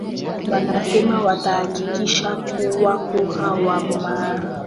wanasema watahakikisha kuwa kura ya maamuzi kuhusu uhuru wa sudan kusini inafanyika kama ilivyopangwa